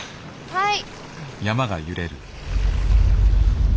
はい。